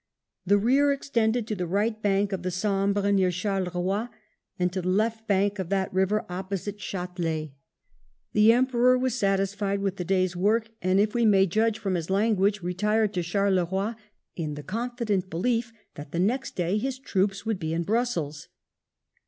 The rear extended to the right bank of the Sambre near Charleroi and to the left bank of that river opposite Ch4telet The Emperor was satisfied with the day's work, and, if we may judge from his language, retired to Charleroi in the confident belief that the next day his troops would be in Brussels.